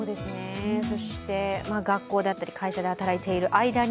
そして、学校であったり会社で働いている間に